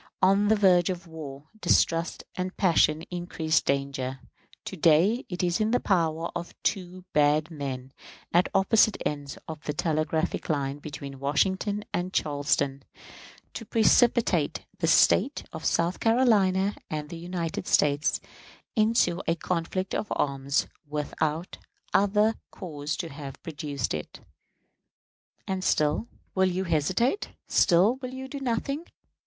On the verge of war, distrust and passion increase the danger. To day it is in the power of two bad men, at the opposite ends of the telegraphic line between Washington and Charleston, to precipitate the State of South Carolina and the United States into a conflict of arms without other cause to have produced it. And still will you hesitate; still will you do nothing?